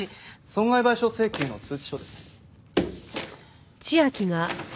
損害賠償請求の通知書です。